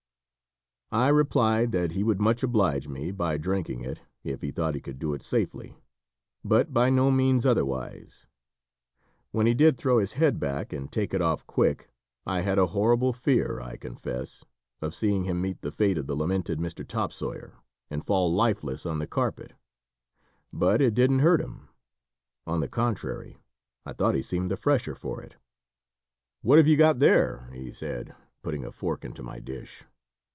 I replied that he would much oblige me by drinking it, if he thought he could do it safely, but by no means otherwise. When he did throw his head back and take it off quick, I had a horrible fear, I confess, of seeing him meet the fate of the lamented Mr. Topsawyer, and fall lifeless on the carpet. But it didn't hurt him. On the contrary, I thought he seemed the fresher for it. "What have we got here?" he said, putting a fork into my dish.